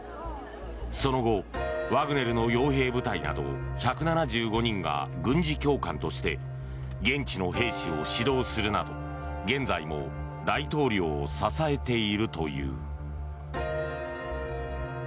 その後、ワグネルの傭兵部隊など１７５人が軍事教官として現地の兵士を指導するなど現在も大統領を支えているという。